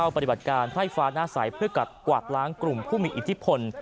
ภายฟ้าน่าใสเพื่อกวาดล้างกลุ่มผู้มีอิทธิพล